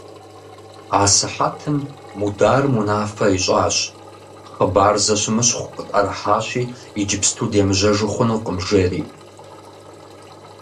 А сыхьэтым Мударым унафэ ищӀащ: «Хъыбар зэщымыщхъу къытӀэрыхьащи, иджыпсту демыжьэжу хъунукъым», – жери.